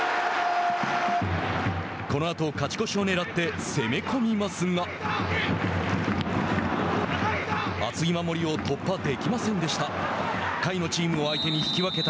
このあと勝ち越しをねらって攻め込みますが、厚い守りを突破できませんでした。